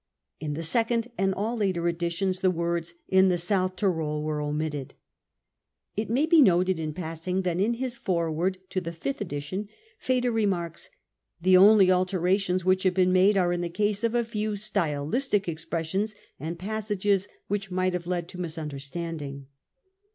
55 In the second* and all later editions , the words " in the South Tyrol 55 were omitted . It may be noted in passing that in his foreword to* the fifth edition Feder remarks 4 4 The only alterations which have been made are in the case of a £(*w stylistic expressions and passages which might have led to misunder standing.